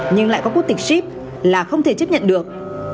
nhưng lại có quốc tịch ship là không thể chấp nhận được